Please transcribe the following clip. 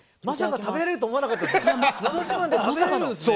まさか食べれると思わなかったです。